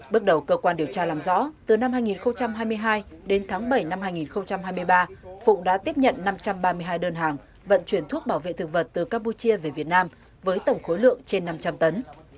bước đầu cơ quan điều tra làm rõ từ năm hai nghìn hai mươi hai đến tháng bảy năm hai nghìn hai mươi ba phụng đã tiếp nhận năm trăm ba mươi hai đơn hàng vận chuyển thuốc bảo vệ thực vật từ campuchia về việt nam với tổng khối lượng trên năm trăm linh tấn